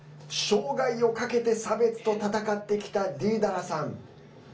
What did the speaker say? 生涯をかけて差別と戦ってきたディーダラさん。